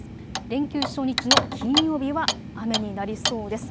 連休初日の金曜日は雨になりそうです。